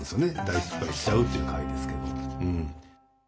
大失敗しちゃうっていう回ですけど。